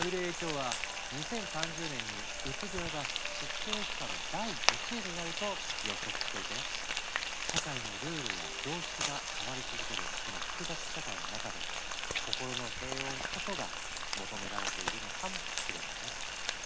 ＷＨＯは「２０３０年にうつ病が疾病負荷の第１位になる」と予測していて社会のルールや常識が変わり続けるこの複雑社会の中で「心の平穏」こそが求められているのかもしれないね。